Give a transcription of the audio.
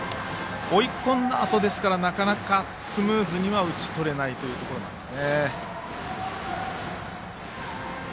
追い込んだあとですからなかなかスムーズには打ち取れないというところなんですね。